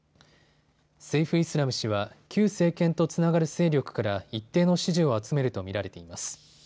セイフ・イスラム氏は旧政権とつながる勢力から一定の支持を集めると見られています。